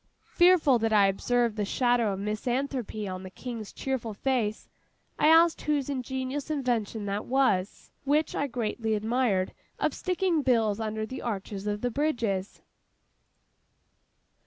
Fearful that I observed a shadow of misanthropy on the King's cheerful face, I asked whose ingenious invention that was, which I greatly admired, of sticking bills under the arches of the bridges.